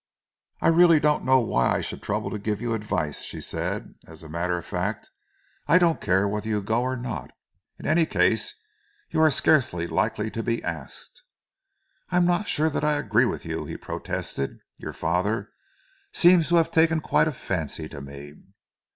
"I really don't know why I should trouble to give you advice," she said. "As a matter of fact, I don't care whether you go or not. In any case, you are scarcely likely to be asked." "I am not sure that I agree with you," he protested. "Your father seems to have taken quite a fancy to me."